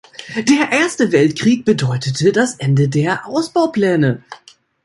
Der Erste Weltkrieg bedeutete das Ende der Ausbaupläne.